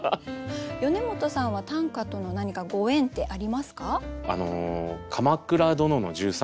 米本さんは短歌との何かご縁ってありますか？